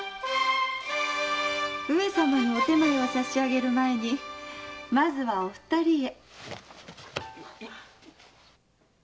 上様に御点前を差し上げる前にまずはお二人へ。